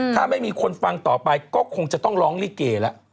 ถ้าไม่มีคนฟังต่อไปก็คงจะต้องร้องลิเกแล้ว